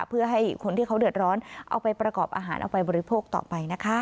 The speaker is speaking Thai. เพื่อให้คนที่เขาเดือดร้อนเอาไปประกอบอาหารเอาไปบริโภคต่อไปนะคะ